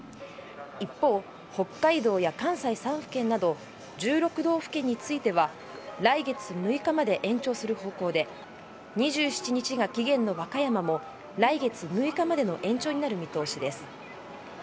一方、北海道や関西３府県など１６道府県については来月６日まで延長する方向で２７日が期限の和歌山も来月６日までの延長になる見通しです。